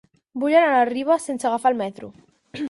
Vull anar a la Riba sense agafar el metro.